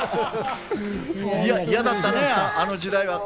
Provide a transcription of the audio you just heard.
嫌だったね、あの時代は。